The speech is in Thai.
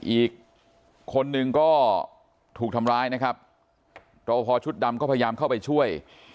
อีกคนนึงก็ถูกทำร้ายนะครับรอพอชุดดำก็พยายามเข้าไปช่วย